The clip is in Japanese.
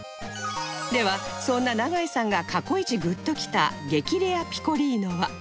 ではそんな永井さんが過去一グッときた激レアピコリーノは